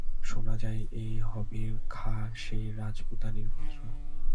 শোনা যায় এই হবির খাঁ সেই রাজপুতানীর পুত্র।